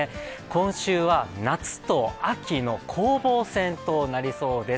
今週は夏と秋の攻防戦となりそうです。